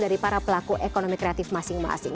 dari para pelaku ekonomi kreatif masing masing